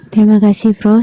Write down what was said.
terima kasih prof